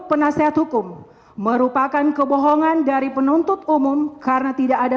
penasehat hukum merupakan kebohongan dari penuntut umum karena tidak ada